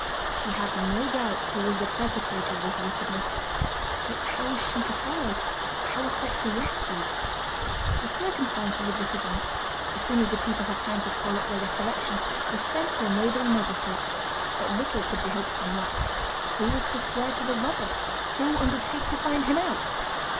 She had no doubt who was the perpetrator of this wickedness; but how was she to follow? how effect a rescue? The circumstances of this event, as soon as the people had time to call up their recollection, were sent to a neighbouring magistrate; but little could be hoped from that. Who was to swear to the robber? Who, undertake to find him out!